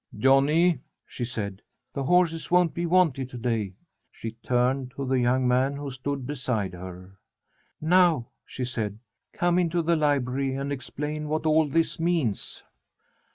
"Johnny," she said, "the horses won't be wanted to day." She turned to the young man who stood beside her. "Now," she said, "come into the library and explain what all this means."